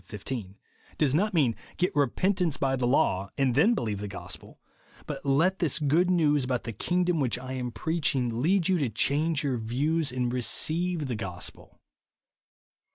15), does not mean " get re23entance hj the law, and then believe the gosj)el ;" but " let this good news about the kingdom which I am preaching, lead you to change your views and receive the gospel."